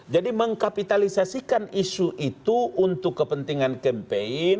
jadi mengkapitalisasikan isu itu untuk kepentingan kempen